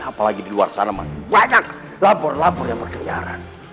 apalagi di luar sana masih banyak lampu lampunya berkeliaran